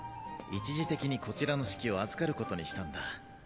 一時的にこちらの指揮を預かることにしたんだ。